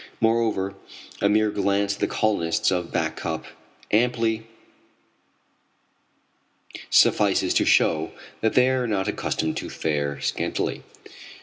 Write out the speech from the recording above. Moreover, a mere glance at the colonists of Back Cup amply suffices to show that they are not accustomed to fare scantily.